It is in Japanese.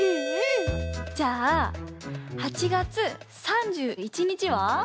じゃあ８月３１日は？